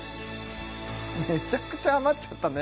めちゃくちゃ余っちゃったね